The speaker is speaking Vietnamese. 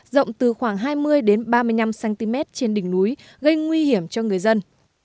rộng từ khoảng hai mươi ba mươi năm cm trên đỉnh núi gây nguy hiểm cho người dân